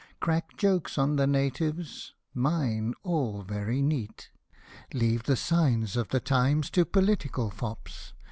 Crack jokes on the natives — mine, all very neat — Leave the Signs of the Times to political fops.